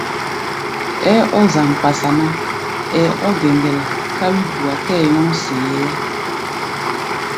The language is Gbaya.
Ɛ́ɛ́ ɔ́ zaŋ-kpasa ná, ɛ́ɛ́ ɔ́ gɛŋgɛlɛ ká wí-dua tɛ́ɛ nyɔ́ŋ see-ɛ́ɛ́.